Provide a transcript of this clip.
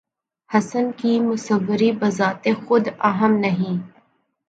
حسن کی مصوری بذات خود اہم نہیں